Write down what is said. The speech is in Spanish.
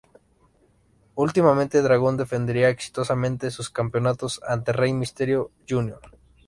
Ultimate Dragon defendería exitosamente sus campeonatos ante Rey Mysterio, Jr.